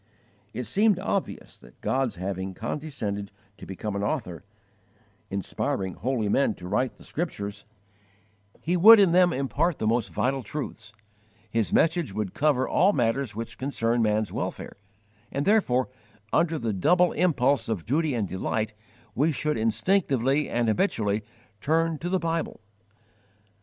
It seemed obvious that God's having condescended to become an Author, inspiring holy men to write the Scriptures, He would in them impart the most vital truths; His message would cover all matters which concern man's welfare, and therefore, under the double impulse of duty and delight, we should instinctively and habitually turn to the Bible.